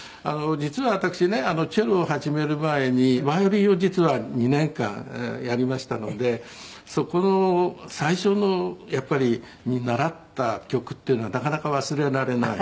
実は私ねチェロを始める前にバイオリンを実は２年間やりましたのでそこの最初のやっぱり習った曲っていうのはなかなか忘れられない。